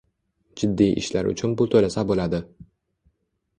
jiddiy ishlar uchun pul to‘lasa bo‘ladi.